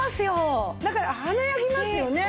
なんか華やぎますよね。